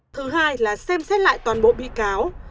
thứ hai là xem xét lại toàn bộ bị cáo